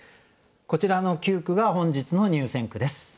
こちらの９句が本日の入選句です。